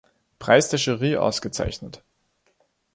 Preis der Jury ausgezeichnet.